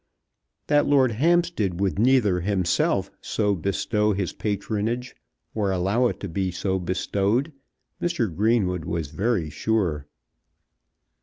That Lord Hampstead would neither himself so bestow his patronage or allow it to be so bestowed, Mr. Greenwood was very sure.